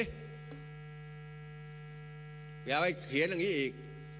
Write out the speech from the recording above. อย่าไปเขียนอย่างนี้อีก